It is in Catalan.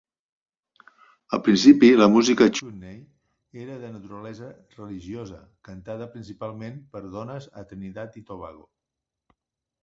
Al principi, la música chutney era de natura religiosa cantada principalment per dones a Trinitat i Tobago.